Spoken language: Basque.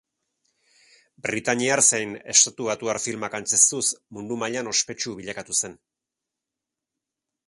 Britainiar zein estatubatuar filmak antzeztuz mundu mailan ospetsu bilakatu zen.